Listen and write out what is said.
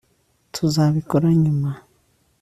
tuzabikora nyuma